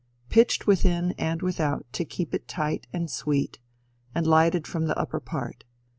Pitched within and without to keep it tight and sweet, and lighted from the upper part.